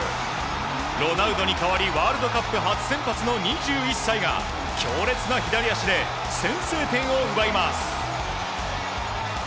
ロナウドに代わりワールドカップ初先発の２１歳が強烈な左足で先制点を奪います。